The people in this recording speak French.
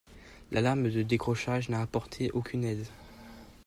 L’alarme de décrochage n’a apporté aucune aide.